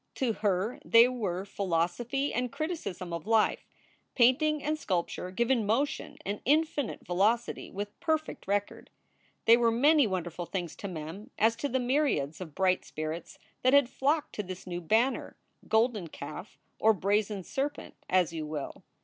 To her they were philosophy and criticism of life; painting and sculpture given motion and infinite velocity with perfect record. They were many wonderful things to Mem as to the myriads of bright spirits that had flocked to this new banner, golden calf, or brazen serpent, as you will.